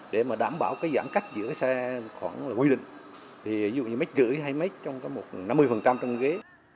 để đảm bảo giãn cách giữa xe khoảng quy định ví dụ như một m ba mươi hay một m trong năm mươi trong ghế